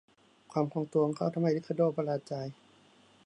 ความคล่องตัวของเขาทำให้ริคาโด้ประหลาดใจ